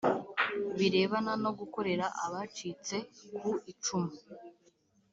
birebana no gukorera abacitse ku icumu